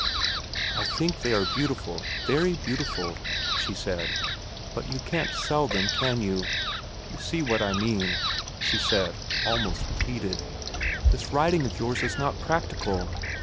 "I think they are beautiful, very beautiful," she said; "but you can't sell them, can you? You see what I mean," she said, almost pleaded. "This writing of yours is not practical.